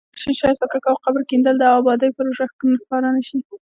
ماشین شاید فکر کاوه قبر کیندل د ابادۍ پروژه ښکاره نشي.